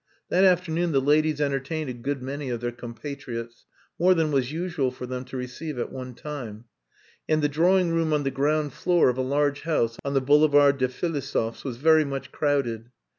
That afternoon the ladies entertained a good many of their compatriots more than was usual for them to receive at one time; and the drawing room on the ground floor of a large house on the Boulevard des Philosophes was very much crowded.